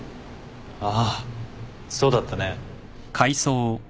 ああそうだったね。